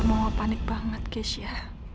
waktu itu mama panik banget keisha